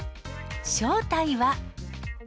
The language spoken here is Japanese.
正体は。